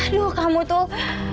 aduh kamu tuh